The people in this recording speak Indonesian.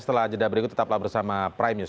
setelah jeda berikut tetaplah bersama prime news